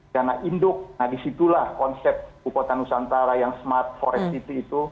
karena induk nah disitulah konsep bupotan nusantara yang smart forest city itu